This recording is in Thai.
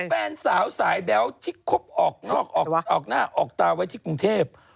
ทิ้งแฟนสาวสายแบ๊วที่คบออกหน้าออกตาไว้ที่กรุงเทพ